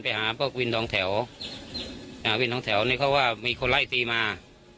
ไปหาพวกวินทองแถวอ่าวินทองแถวนี่เขาว่ามีคนไล่ตีมา